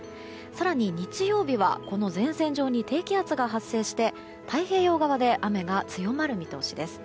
更に日曜日は前線上に低気圧が発生して太平洋側で雨が強まる見通しです。